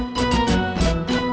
mungkin mereka sudah rindu banget gitu